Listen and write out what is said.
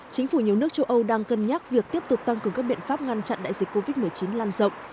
chính phủ nhiều nước châu âu đang cân nhắc việc tiếp tục tăng cường các biện pháp ngăn chặn đại dịch covid một mươi chín lan rộng